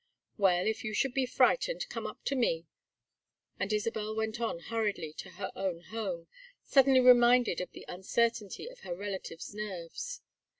"Well, if you should be frightened come up to me," and Isabel went on hurriedly to her own home, suddenly reminded of the uncertainty of her relative's nerves.